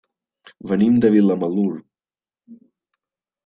Venim de Vilamalur.